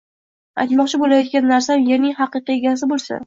Aytmoqchi bo‘layotgan narsam – yerning haqiqiy egasi bo‘lsa.